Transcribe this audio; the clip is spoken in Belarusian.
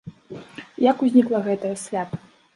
Як узнікла гэтае свята?